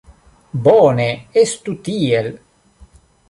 Bone, estu tiel.